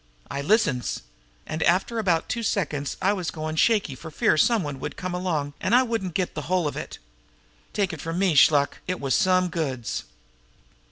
I listens. An' after about two seconds I was goin' shaky for fear some one would come along an' I wouldn't get the whole of it. Take it from me, Shluk, it was some goods!"